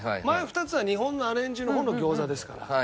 前２つは日本のアレンジの方の餃子ですから。